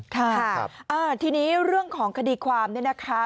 ค่ะทีนี้เรื่องของคดีความเนี่ยนะคะ